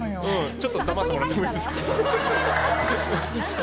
ちょっと黙ってもらっていいですか。